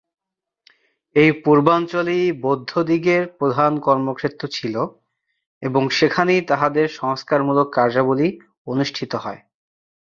এই পূর্বাঞ্চলই বৌদ্ধদিগের প্রধান কর্মক্ষেত্র ছিল এবং সেখানেই তাহাদের সংস্কারমূলক কার্যাবলী অনুষ্ঠিত হয়।